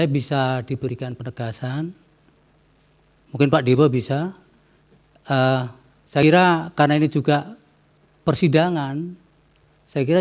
bisa diberikan penegasan mungkin pak dewa bisa saya kira karena ini juga persidangan saya kira